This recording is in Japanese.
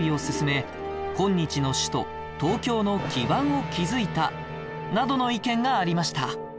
今日の首都・東京の基盤を築いたなどの意見がありました